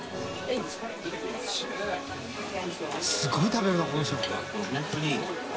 すごい食べるなこの人。